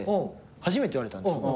初めて言われたんですよ。